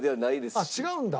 あっ違うんだ。